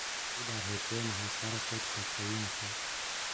او در حجرهٔ محقر خود کاسبی میکرد